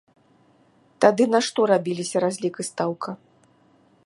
Тады на што рабіліся разлік і стаўка?